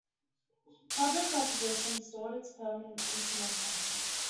Public opposition stalled its permanent implementation.